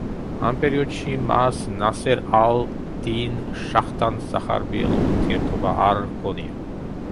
ამ პერიოდში მას ნასერ ალ-დინ შაჰთან სახარბიელო ურთიერთობა არ ჰქონია.